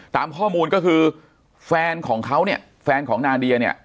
ตามข้อมูลก็คือแฟนของเขาเนี่ยแฟนของนาเดียเนี่ย